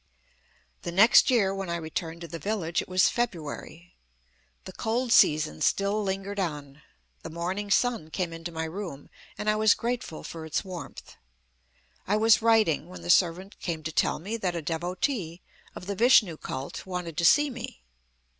The next year when I returned to the village it was February. The cold season still lingered on. The morning sun came into my room, and I was grateful for its warmth. I was writing, when the servant came to tell me that a devotee, of the Vishnu cult, wanted to see me.